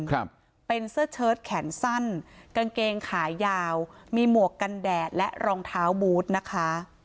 ครับเป็นเสื้อเชิดแขนสั้นกางเกงขายาวมีหมวกกันแดดและรองเท้าบูธนะคะ